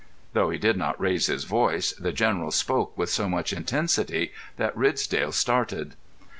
Though he did not raise his voice, the General spoke with so much intensity that Ridsdale started.